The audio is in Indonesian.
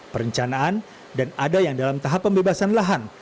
perencanaan dan ada yang dalam tahap pembebasan lahan